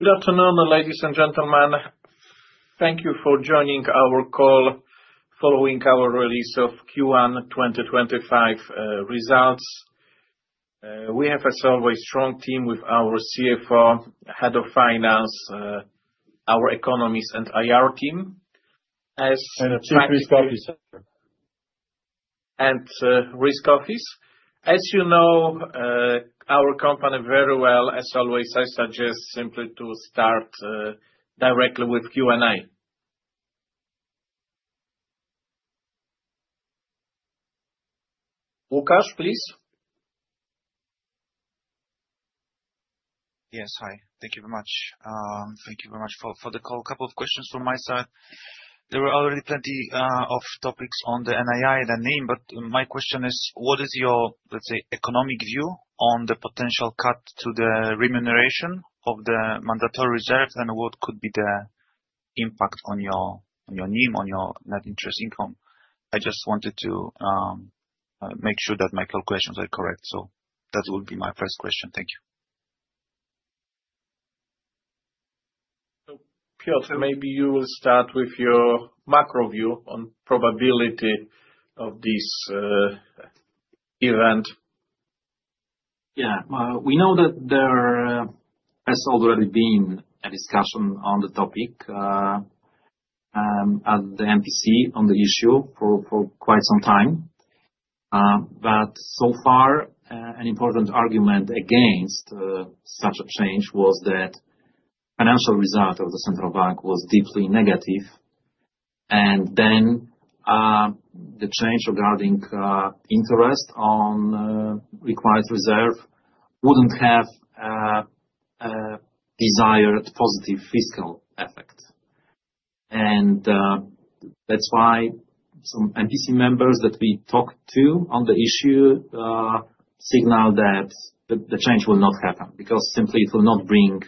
Good afternoon, ladies and gentlemen. Thank you for joining our call following our release of Q1 2025 results. We have, as always, a strong team with our CFO, Head of Finance, our Economists, and IR team. Chief Risk Officer. Risk Office. As you know our company very well, as always, I suggest simply to start directly with Q&A. Łukasz, please. Yes. Hi. Thank you very much. Thank you very much for the call. A couple of questions from my side. There were already plenty of topics on the NII and the NIM, but my question is, what is your, let's say, economic view on the potential cut to the remuneration of the mandatory reserve, and what could be the impact on your NIM, on your net interest income? I just wanted to make sure that my calculations are correct. That will be my first question. Thank you. Piotr, maybe you will start with your macro view on the probability of this event. Yeah. We know that there has already been a discussion on the topic at the NBP on the issue for quite some time. So far, an important argument against such a change was that the financial result of the Central Bank was deeply negative. Then the change regarding interest on required reserve would not have a desired positive fiscal effect. That is why some NBP members that we talked to on the issue signal that the change will not happen because simply it will not bring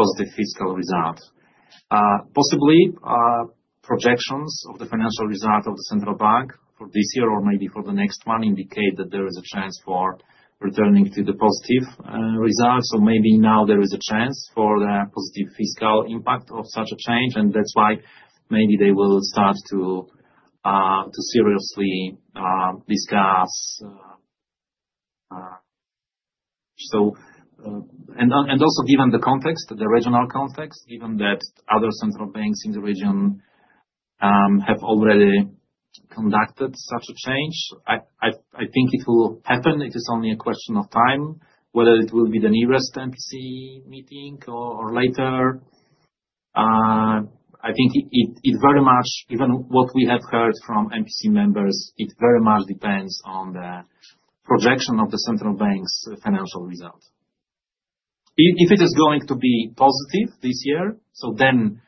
a positive fiscal result. Possibly, projections of the financial result of the Central Bank for this year or maybe for the next one indicate that there is a chance for returning to the positive results. Maybe now there is a chance for the positive fiscal impact of such a change. That is why maybe they will start to seriously discuss. Also, given the context, the regional context, given that other Central Bank's in the region have already conducted such a change, I think it will happen. It is only a question of time whether it will be the nearest NBP meeting or later. I think it very much, given what we have heard from NBP members, it very much depends on the projection of the Central Bank's financial result. If it is going to be positive this year, so then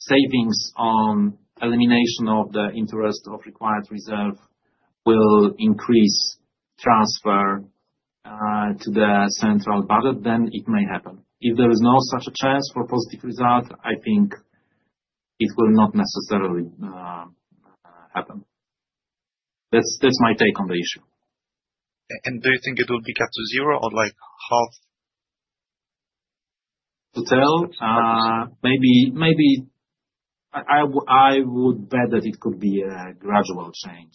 savings on elimination of the interest of required reserve will increase transfer to the central budget, then it may happen. If there is no such a chance for a positive result, I think it will not necessarily happen. That's my take on the issue. Do you think it will be cut to zero or half? To tell? Maybe. I would bet that it could be a gradual change.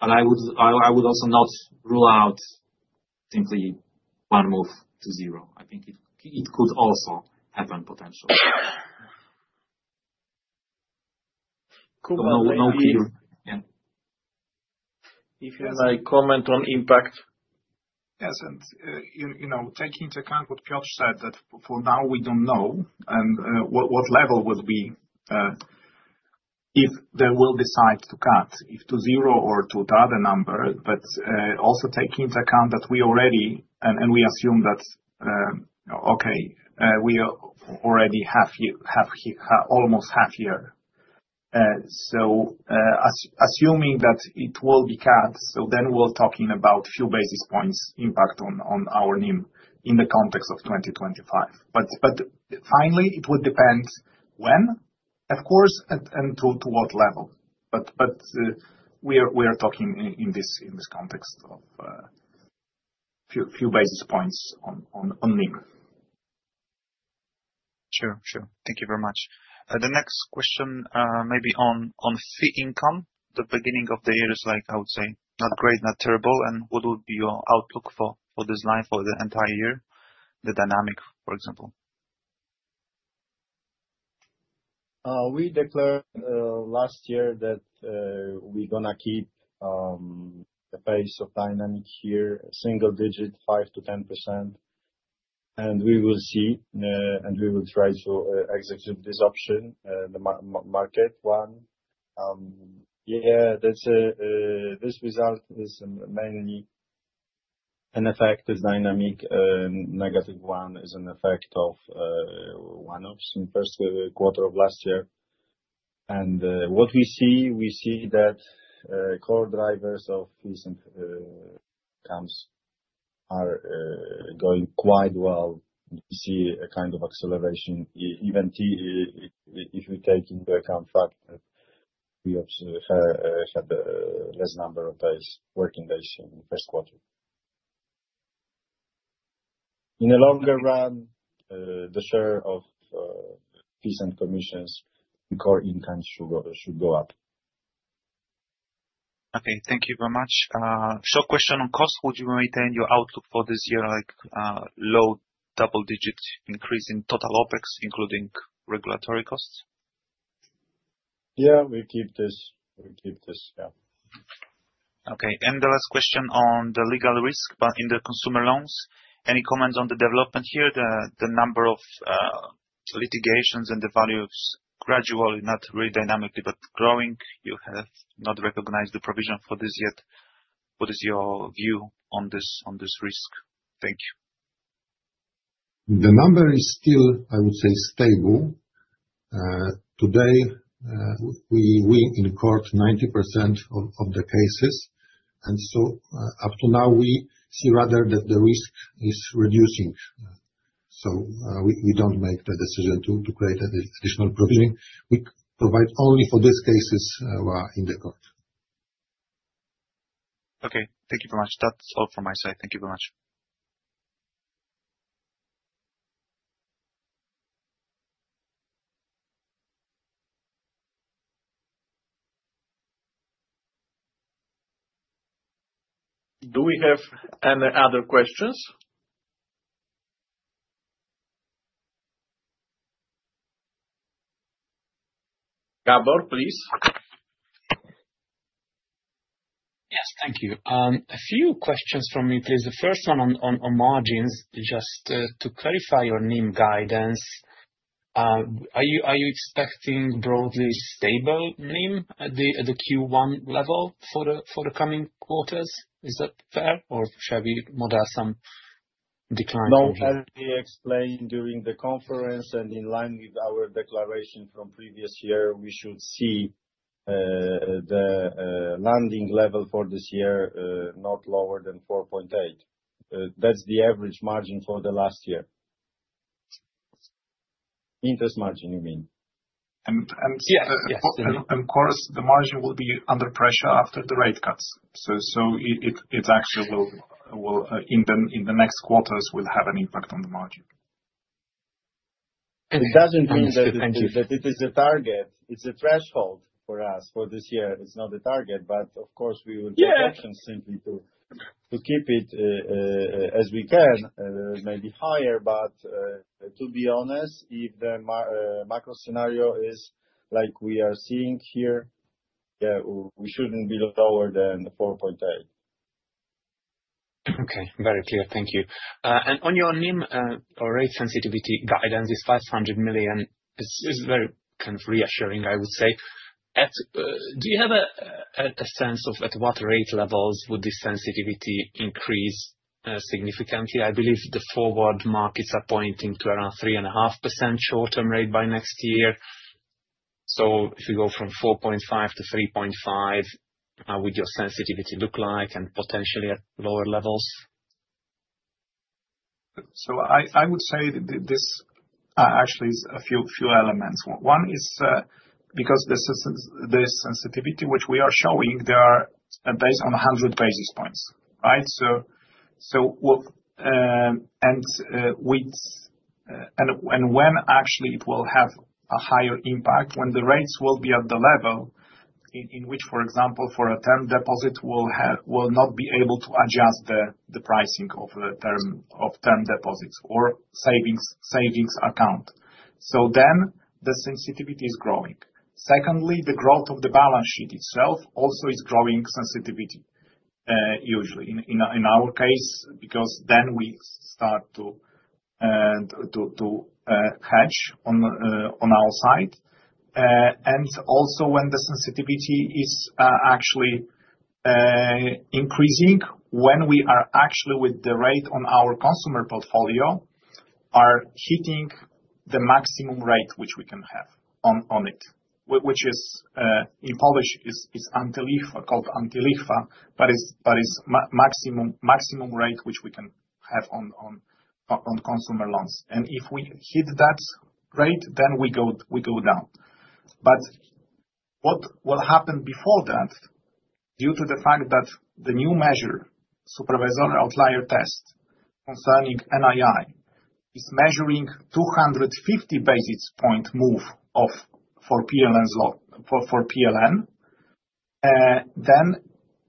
I would also not rule out simply one move to zero. I think it could also happen potentially. Cool. No clear answer. If you have any comment on impact? Yes. Taking into account what Piotr said, that for now we do not know what level will be if they will decide to cut, if to zero or to another number. Also taking into account that we already—and we assume that, okay, we already have almost half a year. Assuming that it will be cut, then we are talking about a few basis points impact on our NIM in the context of 2025. Finally, it would depend when, of course, and to what level. We are talking in this context of a few basis points on NIM. Sure. Sure. Thank you very much. The next question may be on fee income. The beginning of the year is, I would say, not great, not terrible. What would be your outlook for this line for the entire year, the dynamic, for example? We declared last year that we're going to keep the pace of dynamic here, single digit, 5%-10%. We will see, and we will try to execute this option, the market one. Yeah, this result is mainly an effect, this dynamic. Negative one is an effect of one of the first quarter of last year. What we see, we see that core drivers of fees and incomes are going quite well. We see a kind of acceleration, even if we take into account the fact that we had a less number of working days in the first quarter. In the longer run, the share of fees and commissions and core incomes should go up. Okay. Thank you very much. Short question on cost. Would you maintain your outlook for this year like low double-digit increase in total OpEx, including regulatory costs? Yeah, we keep this. Yeah. Okay. The last question on the legal risk in the consumer loans. Any comments on the development here, the number of litigations and the value of gradually, not really dynamically, but growing? You have not recognized the provision for this yet. What is your view on this risk? Thank you. The number is still, I would say, stable. Today, we incurred 90% of the cases. Up to now, we see rather that the risk is reducing. We do not make the decision to create an additional provision. We provide only for these cases in the court. Okay. Thank you very much. That's all from my side. Thank you very much. Do we have any other questions? Gabor, please. Yes. Thank you. A few questions from me, please. The first one on margins, just to clarify your NIM guidance. Are you expecting broadly stable NIM at the Q1 level for the coming quarters? Is that fair, or shall we model some decline? No, as we explained during the conference and in line with our declaration from previous year, we should see the landing level for this year not lower than 4.8. That's the average margin for the last year. Interest margin, you mean? Yeah. Of course, the margin will be under pressure after the rate cuts. So it actually will, in the next quarters, have an impact on the margin. It doesn't mean that it is a target. It's a threshold for us for this year. It's not a target. Of course, we will take action simply to keep it as we can, maybe higher. To be honest, if the macro scenario is like we are seeing here, yeah, we shouldn't be lower than 4.8. Okay. Very clear. Thank you. On your NIM or rate sensitivity guidance, it's 500 million. It's very kind of reassuring, I would say. Do you have a sense of at what rate levels would this sensitivity increase significantly? I believe the forward markets are pointing to around 3.5% short-term rate by next year. If we go from 4.5%-3.5%, how would your sensitivity look like and potentially at lower levels? I would say this actually is a few elements. One is because this sensitivity, which we are showing, they are based on 100 basis points, right? When actually it will have a higher impact, when the rates will be at the level in which, for example, for a term deposit, will not be able to adjust the pricing of term deposits or saving account. Then the sensitivity is growing. Secondly, the growth of the balance sheet itself also is growing sensitivity, usually, in our case, because then we start to hedge on our side. Also, when the sensitivity is actually increasing, when we are actually with the rate on our consumer portfolio, are hitting the maximum rate which we can have on it, which in Polish is called antylichwa, but it is maximum rate which we can have on consumer loans. If we hit that rate, then we go down. What happened before that, due to the fact that the new measure, Supervisor Outlier Test concerning NII, is measuring 250 basis point move for PLN,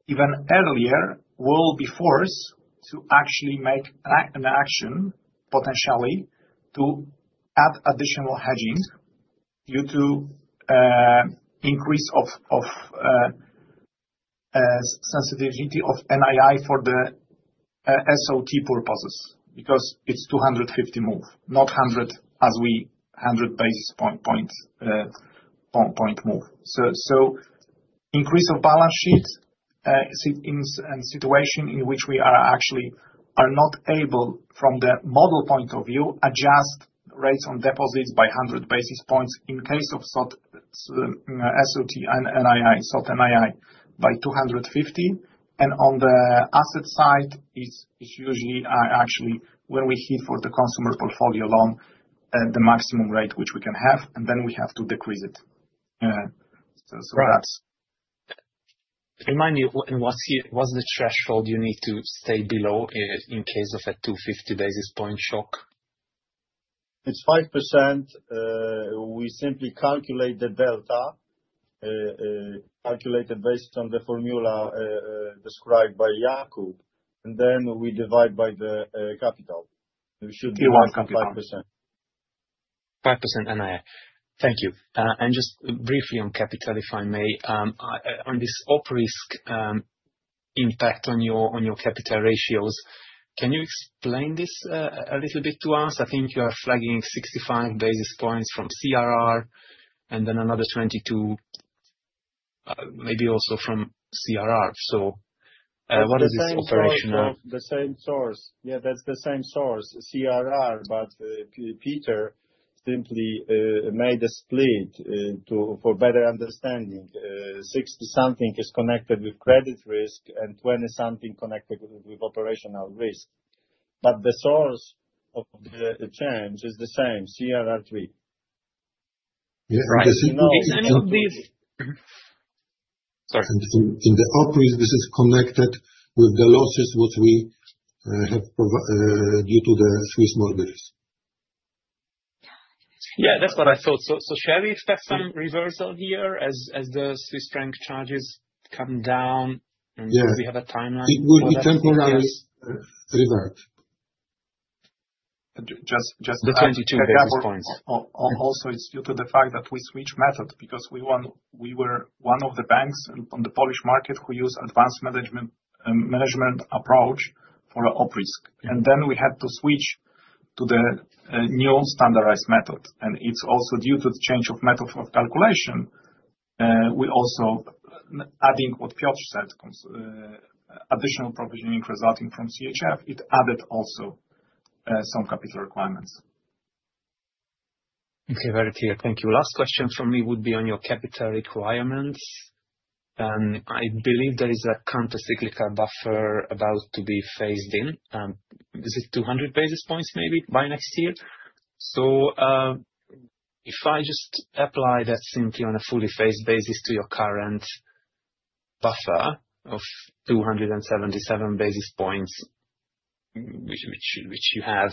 even earlier we will be forced to actually make an action, potentially to add additional hedging due to increase of sensitivity of NII for the SOT purposes because it's 250 move, not 100 basis point move. Increase of balance sheet and situation in which we actually are not able, from the model point of view, to adjust rates on deposits by 100 basis points in case of SOT NII by 250. On the asset side, it's usually actually when we hit for the consumer portfolio loan the maximum rate which we can have, and then we have to decrease it. That's it. Remind me, what's the threshold you need to stay below in case of a 250 basis point shock? It's 5%. We simply calculate the delta, calculate it based on the formula described by Yakub, and then we divide by the capital. We should be at 5%. 5% NII. Thank you. Just briefly on capital, if I may, on this up risk impact on your capital ratios, can you explain this a little bit to us? I think you are flagging 65 basis points from CRR and then another 22 maybe also from CRR. What is this operational? The same source. Yeah, that's the same source. CRR, but Piotr simply made a split for better understanding. Sixty-something is connected with credit risk and twenty-something connected with operational risk. The source of the change is the same, CRR3. Yes. Sorry. In the up risk, this is connected with the losses which we have due to the Swiss mortgages. Yeah, that's what I thought. Shall we expect some reversal here as the Swiss franc charges come down and we have a timeline? It will be temporarily reversed. Just the 22 basis points. Also, it's due to the fact that we switched method because we were one of the banks on the Polish market who use advanced management approach for op risk. We had to switch to the new standardized method. It's also due to the change of method of calculation. We also, adding what Piotr said, additional provisioning resulting from CHF, it added also some capital requirements. Okay. Very clear. Thank you. Last question from me would be on your capital requirements. I believe there is a countercyclical buffer about to be phased in. Is it 200 basis points maybe by next year? If I just apply that simply on a fully phased basis to your current buffer of 277 basis points, which you have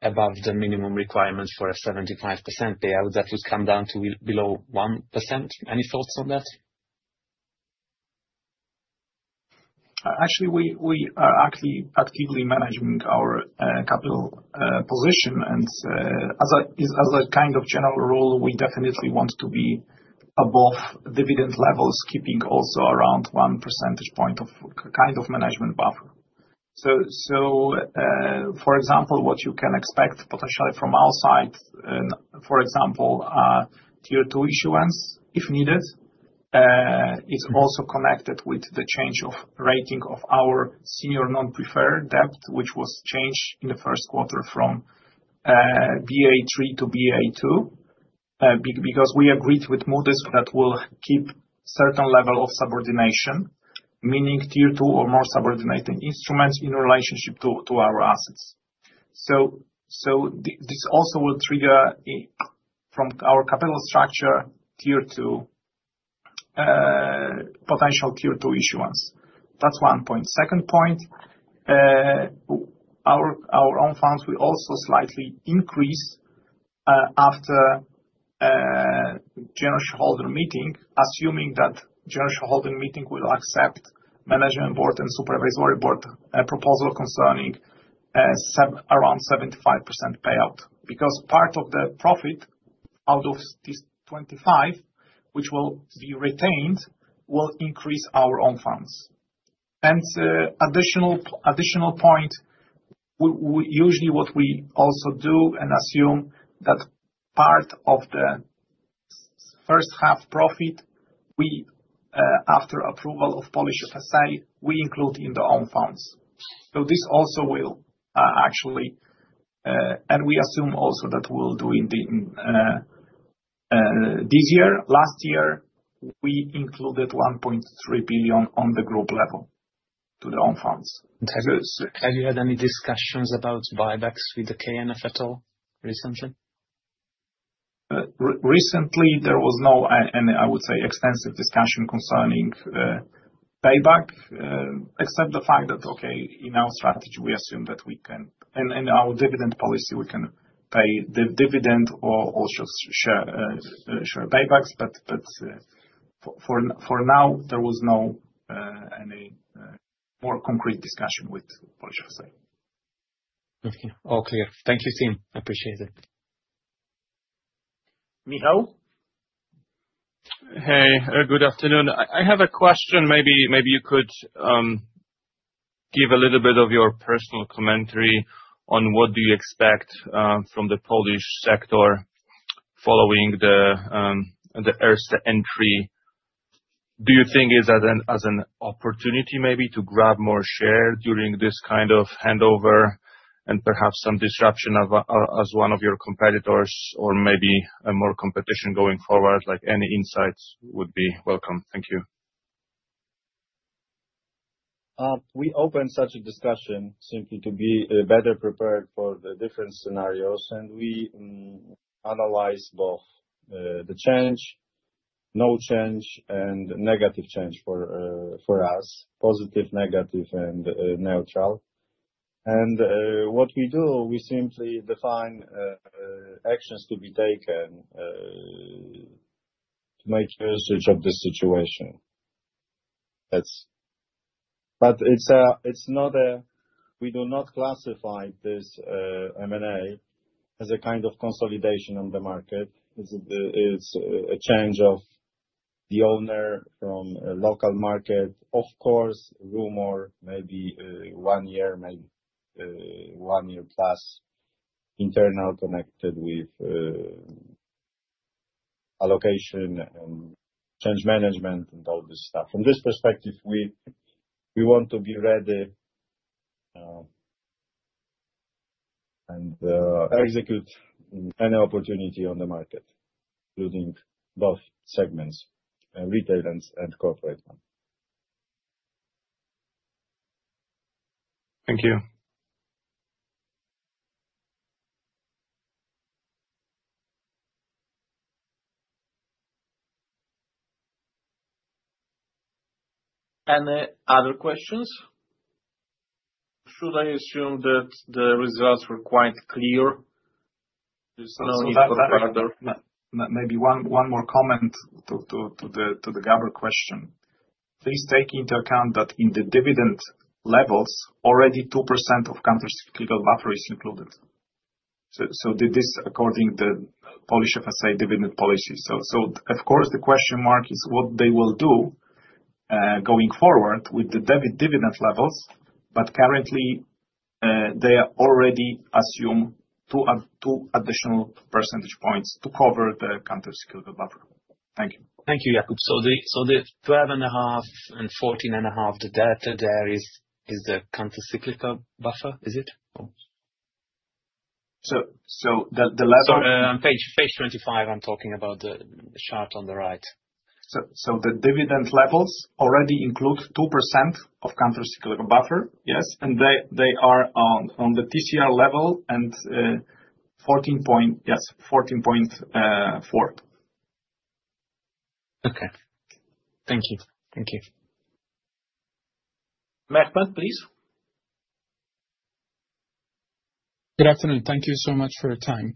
above the minimum requirement for a 75% payout, that would come down to below 1%. Any thoughts on that? Actually, we are actively managing our capital position. As a kind of general rule, we definitely want to be above dividend levels, keeping also around 1 percentage point of kind of management buffer. For example, what you can expect potentially from our side, for example, tier two issuance if needed, it's also connected with the change of rating of our senior non-preferred debt, which was changed in the first quarter from BA3-BA2 because we agreed with Moody's that we'll keep certain level of subordination, meaning tier two or more subordinating instruments in relationship to our assets. This also will trigger from our capital structure, tier two, potential tier two issuance. That's one point. Second point, our own funds will also slightly increase after general shareholder meeting, assuming that general shareholder meeting will accept Management Board and Supervisory Board proposal concerning around 75% payout because part of the profit out of this 25%, which will be retained, will increase our own funds. An additional point, usually what we also do and assume that part of the first half profit, after approval of Polish FSA, we include in the own funds. This also will actually, and we assume also that we'll do in this year. Last year, we included 1.3 billion on the group level to the own funds. Have you had any discussions about buybacks with the KNF at all recently? Recently, there was no, and I would say, extensive discussion concerning payback, except the fact that, okay, in our strategy, we assume that we can, and in our dividend policy, we can pay the dividend or share paybacks. For now, there was no any more concrete discussion with Polish FSA. Okay. All clear. Thank you, Tim. I appreciate it. Michał? Hey, good afternoon. I have a question. Maybe you could give a little bit of your personal commentary on what do you expect from the Polish sector following the ERSA entry. Do you think it's as an opportunity maybe to grab more share during this kind of handover and perhaps some disruption as one of your competitors or maybe more competition going forward? Any insights would be welcome. Thank you. We open such a discussion simply to be better prepared for the different scenarios. We analyze both the change, no change, and negative change for us, positive, negative, and neutral. What we do, we simply define actions to be taken to make use of this situation. It is not a, we do not classify this M&A as a kind of consolidation on the market. It is a change of the owner from local market, of course, rumor, maybe one year, maybe one year plus, internal connected with allocation and change management and all this stuff. From this perspective, we want to be ready and execute any opportunity on the market, including both segments, retail and corporate one. Thank you. Any other questions? Should I assume that the results were quite clear? Maybe one more comment to the Gabor question. Please take into account that in the dividend levels, already 2% of countercyclical buffer is included. This is according to the Polish FSA dividend policy. Of course, the question mark is what they will do going forward with the dividend levels, but currently, they already assume two additional percentage points to cover the countercyclical buffer. Thank you. Thank you, Yakub. So the 12.5 and 14.5, the data there is the countercyclical buffer, is it? The level. Page 25, I'm talking about the chart on the right. The dividend levels already include 2% of countercyclical buffer, yes? They are on the TCR level and 14.4. Okay. Thank you. Thank you. Mehmet, please. Good afternoon. Thank you so much for your time.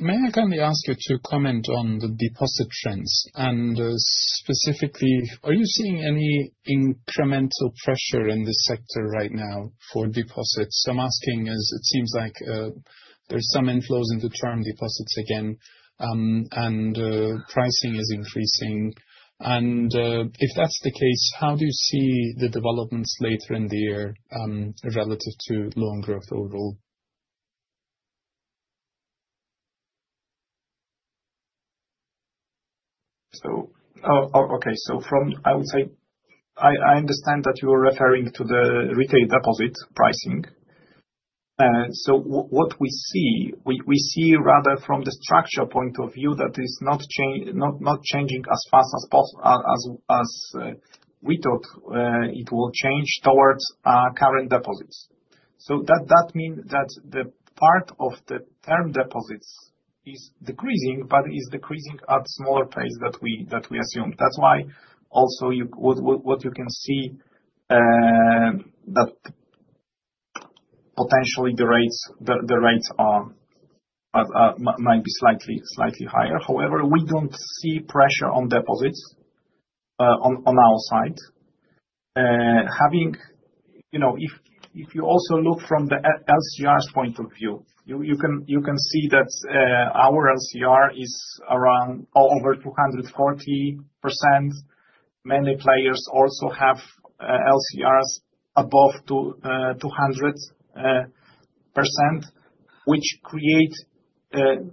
May I kindly ask you to comment on the deposit trends? Specifically, are you seeing any incremental pressure in this sector right now for deposits? I am asking as it seems like there are some inflows into term deposits again, and pricing is increasing. If that is the case, how do you see the developments later in the year relative to loan growth overall? Okay. I would say I understand that you were referring to the retail deposit pricing. What we see, we see rather from the structure point of view that it is not changing as fast as we thought it would change towards current deposits. That means that the part of the term deposits is decreasing, but it is decreasing at a smaller pace than we assumed. That is why also what you can see is that potentially the rates might be slightly higher. However, we do not see pressure on deposits on our side. If you also look from the LCRs point of view, you can see that our LCR is over 240%. Many players also have LCRs above 200%, which creates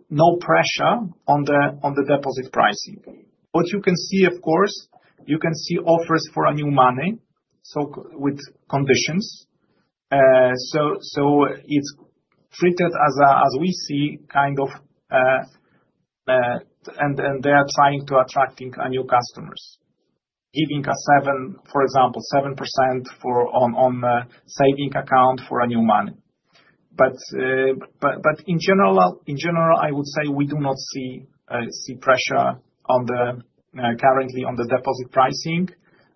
no pressure on the deposit pricing. What you can see, of course, you can see offers for new money with conditions. It's treated as we see kind of, and they are trying to attract new customers, giving, for example, 7% on saving account for new money. In general, I would say we do not see pressure currently on the deposit pricing.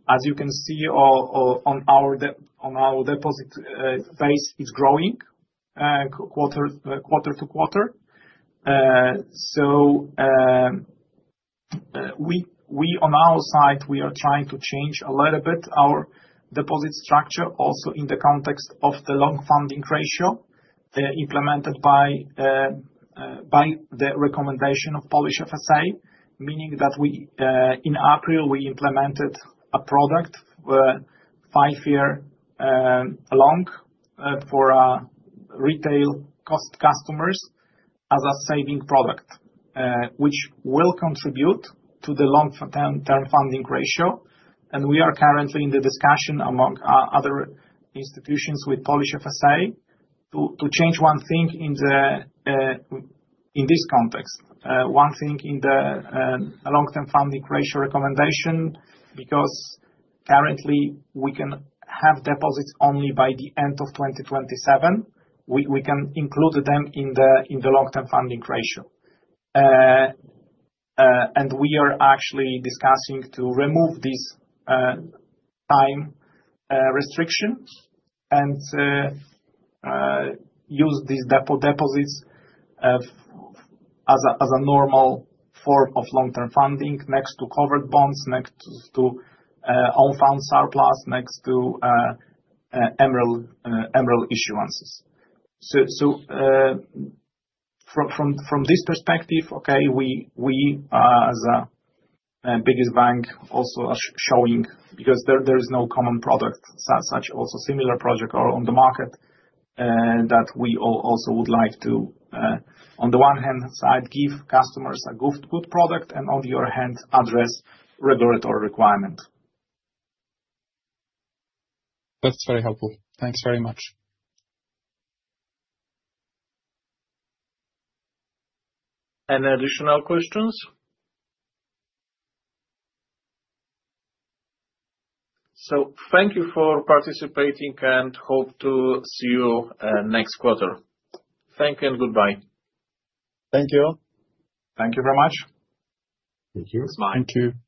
As you can see on our deposit base, it's growing quarter to quarter. On our side, we are trying to change a little bit our deposit structure also in the context of the long funding ratio implemented by the recommendation of Polish FSA, meaning that in April, we implemented a product five years long for retail customers as a saving product, which will contribute to the long term funding ratio. We are currently in the discussion among other institutions with Polish FSA to change one thing in this context, one thing in the long term funding ratio recommendation because currently we can have deposits only by the end of 2027. We can include them in the long term funding ratio. We are actually discussing to remove this time restriction and use these deposits as a normal form of long term funding next to covered bonds, next to own funds surplus, next to Emeril issuances. From this perspective, okay, we as a biggest bank also are showing because there is no common product such also similar project on the market that we also would like to, on the one hand side, give customers a good product and on the other hand, address regulatory requirement. That's very helpful. Thanks very much. Any additional questions? Thank you for participating and hope to see you next quarter. Thank you and goodbye. Thank you. Thank you very much. Thank you. Thank you.